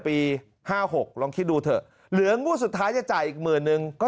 ปี๕๖ลองคิดดูเถอะเหลืองวดสุดท้ายจะจ่ายอีกหมื่นนึงก็